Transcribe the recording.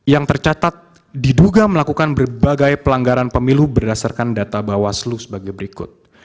yang tercatat diduga melakukan berbagai pelanggaran pemilu berdasarkan data bawaslu sebagai berikut